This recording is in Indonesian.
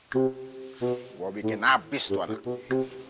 gua bikin abis tuh anaknya